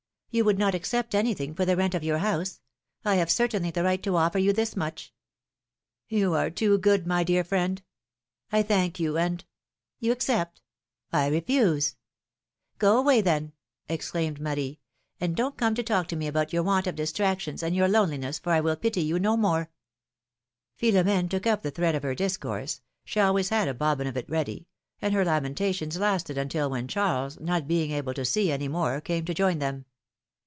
You would not accept anything for the rent of your house. I have certainly the right to offer you this much.^^ "You are too good, my dear friend. I thank you, and— 88 philomene's makeiages. You accept?'^ I refuse/^ away, tlien!^^ exclaimed Marie. ^^And don't come to talk to me about your want of distractions and your loneliness, for I will pity you no more." Philomene took up the thread of her discourse — she always had a bobbin of it ready — and her lamentations lasted until when Charles, not being able to see any more, came to join them.